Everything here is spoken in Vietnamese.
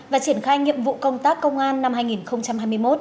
và triển khai nhiệm vụ công tác công an năm hai nghìn hai mươi một